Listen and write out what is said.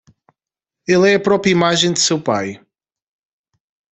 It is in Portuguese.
Ele é a própria imagem de seu pai